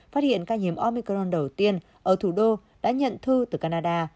phát hiện ca nhiễm omicron đầu tiên ở thủ đô đã nhận thư từ canada